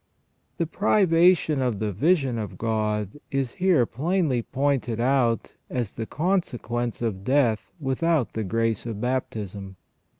The privation of the vision of God is here plainly pointed out as the consequence of death without the grace of baptism.